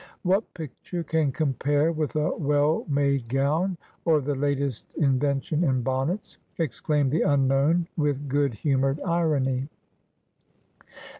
' What picture can compare with a well made gown or the latest invention in bonnets ?' exclaimed the unknown with good humoured irony.